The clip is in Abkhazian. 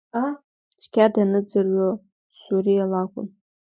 Цқьа даныӡыро, Суриа лакәын…